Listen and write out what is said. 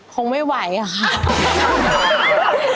คงไม่ไหวอะค่ะ